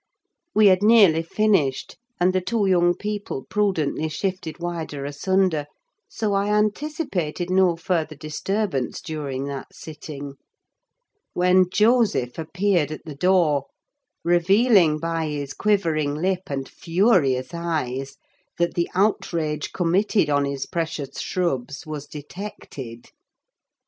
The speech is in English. We had nearly finished, and the two young people prudently shifted wider asunder, so I anticipated no further disturbance during that sitting: when Joseph appeared at the door, revealing by his quivering lip and furious eyes that the outrage committed on his precious shrubs was detected.